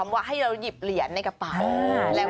ไม่นอนที่ร่วมสนุกกับเรานะคะ